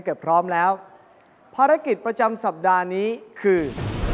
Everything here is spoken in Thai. พร้อมแล้วภารกิจประจำสัปดาห์นี้คือ